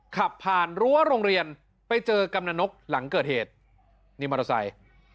ขับผ่านรั้วโรงเรียนไปเจอกำนันนกหลังเกิดเหตุนี่มอเตอร์ไซค์